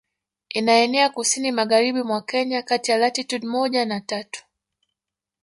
Inaenea kusini magharibi mwa Kenya kati ya latitude moja na tatu